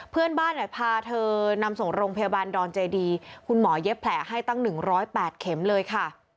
เพื่อนบ้านเนี่ยพาเธอนำส่งโรงพยาบาลดอนเจดีคุณหมอเย็บแผลให้ตั้ง๑๐๘เข็มเลยค่ะ